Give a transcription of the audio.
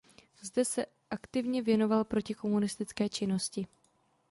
Zde se aktivně věnoval protikomunistické činnosti.